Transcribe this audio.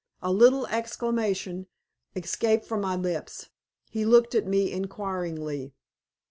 A little exclamation escaped from my lips. He looked at me inquiringly.